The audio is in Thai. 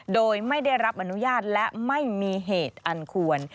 โดยไม่ได้รับอนุญาตและไม่มีเหตุอันควร